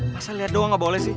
masa lihat doang gak boleh sih